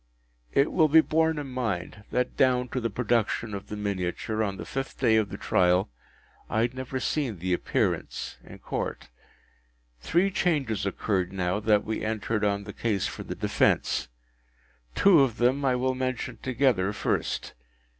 It will be borne in mind that down to the production of the miniature, on the fifth day of the trial, I had never seen the Appearance in Court. Three changes occurred now that we entered on the case for the defence. Two of them I will mention together, first.